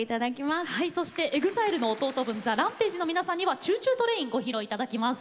はいそしてＥＸＩＬＥの弟分ＴＨＥＲＡＭＰＡＧＥの皆さんには「ＣｈｏｏＣｈｏｏＴＲＡＩＮ」ご披露頂きます。